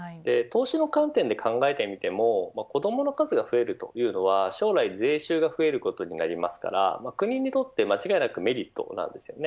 投資の観点で考えてみても子どもの数が増えるというのは将来税収が増えることになるので国にとって間違いなくメリットなのです。